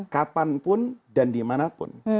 kapan pun dan dimanapun